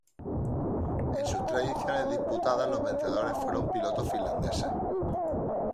En sus tres ediciones disputadas los vencedores fueron pilotos finlandeses.